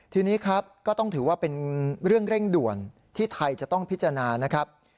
ทีนี้ครับก็ต้องถือว่าเป็นเรื่องเร่งด่วนที่ไทยจะต้องพิจารณานะครับ